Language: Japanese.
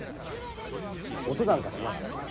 音なんかしました？